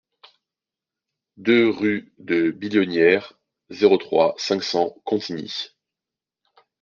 deux rue de Billonnière, zéro trois, cinq cents Contigny